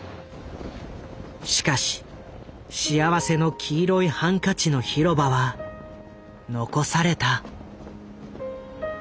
しかし「幸福の黄色いハンカチ」のひろばは残された。